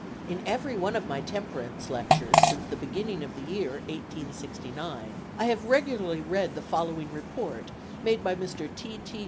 In every one of my temperance lectures since the beginning of the year 1869, I have regularly read the following report, made by Mr. T. T.